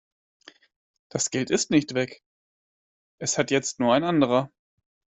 Das Geld ist nicht weg, es hat jetzt nur ein anderer.